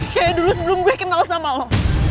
kayak dulu sebelum gue kenal sama lo